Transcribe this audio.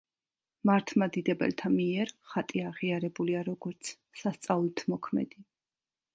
მართლმადიდებელთა მიერ ხატი აღიარებულია, როგორც „სასწაულთმოქმედი“.